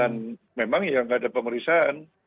dan memang ya nggak ada pemeriksaan